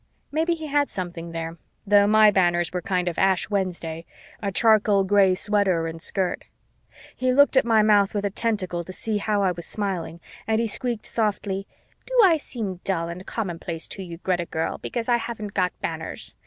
Maybe he had something there, though my banners were kind of Ash Wednesday, a charcoal gray sweater and skirt. He looked at my mouth with a tentacle to see how I was smiling and he squeaked softly, "Do I seem dull and commonplace to you, Greta girl, because I haven't got banners?